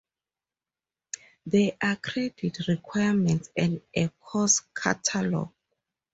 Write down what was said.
There are credit requirements and a course catalog.